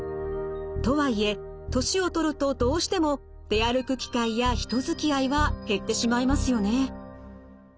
とはいえ年を取るとどうしても出歩く機会や人づきあいは減ってしまいますよね。